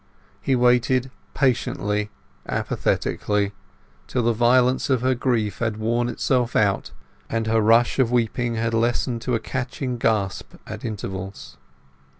He waited patiently, apathetically, till the violence of her grief had worn itself out, and her rush of weeping had lessened to a catching gasp at intervals.